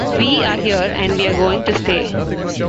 We are here and we are going to stay.